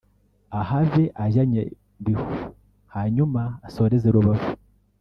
ahave ajya Nyabihu hanyuma asoreze Rubavu